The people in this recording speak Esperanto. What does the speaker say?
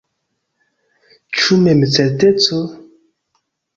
Ĉu memcerteco?